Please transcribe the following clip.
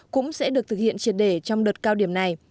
cũng sẽ được thực hiện triệt để trong đợt cao điểm này